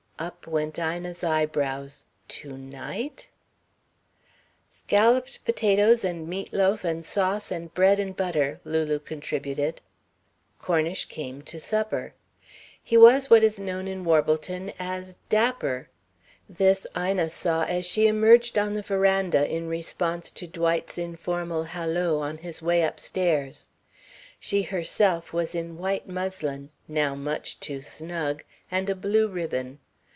Up went Ina's eyebrows. To night? "'Scalloped potatoes and meat loaf and sauce and bread and butter," Lulu contributed. Cornish came to supper. He was what is known in Warbleton as dapper. This Ina saw as she emerged on the veranda in response to Dwight's informal halloo on his way upstairs. She herself was in white muslin, now much too snug, and a blue ribbon.